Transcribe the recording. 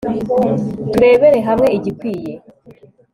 turebere hamwe igikwiye